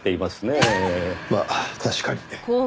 まあ確かに。